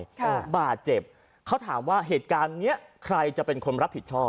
ค่ะบาดเจ็บเขาถามว่าเหตุการณ์เนี้ยใครจะเป็นคนรับผิดชอบ